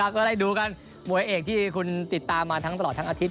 ก็ได้ดูกันมวยเอกที่คุณติดตามมาทั้งตลอดทั้งอาทิตย